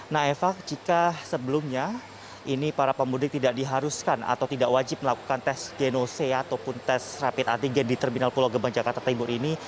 nah eva jika sebelumnya ini para pemudik tidak diharuskan atau tidak wajib melakukan tes genose ataupun tes rapid antigen di terminal pulau gebang jakarta timur ini